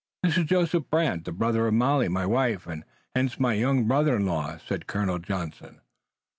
"This is Joseph Brant, the brother of Molly, my wife, and hence my young brother in law," said Colonel Johnson.